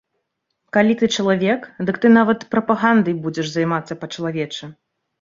Калі ты чалавек, дык ты нават прапагандай будзеш займацца па-чалавечы.